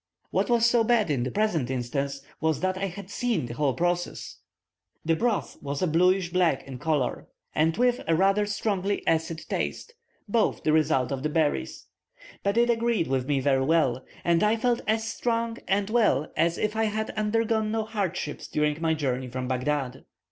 What was so bad in the present instance was that I had seen the whole process. The broth was of a bluish black in colour, and with a rather strongly acid taste both the result of the berries. But it agreed with me very well, and I felt as strong and well as if I had undergone no hardships during my journey from Baghdad.